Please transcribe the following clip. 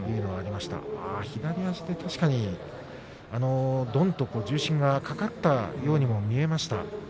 左足で、確かにどんと重心がかかったようにも見えました。